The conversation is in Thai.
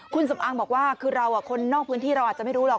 คุณสำอางบอกว่าคือเราคนนอกพื้นที่เราอาจจะไม่รู้หรอก